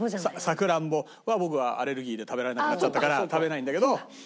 サクランボは僕はアレルギーで食べられなくなっちゃったから食べれないんだけど。